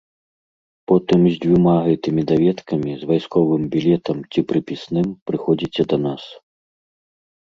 Потым з дзвюма гэтымі даведкамі, з вайсковым білетам ці прыпісным прыходзіце да нас.